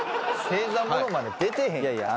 星座ものまね出てへん。